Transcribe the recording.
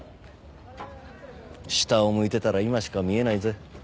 下を向いてたら今しか見えないぜ。